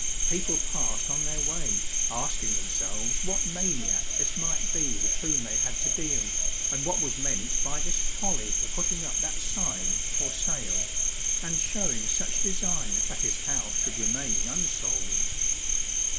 Peo ple passed on their way, asking themselves what maniac this might be with whom they had to deal, and what was meant by this folly of putting up that sign " For Sale," and showing such desire that his house should remain unsold.